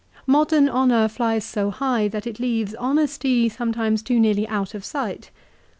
Modern honour flies so high that it leaves honesty sometimes too nearly out of sight.